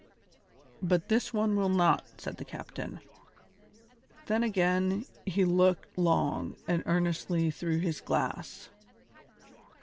"But this one will not," said the captain. Then again he looked long and earnestly through his glass.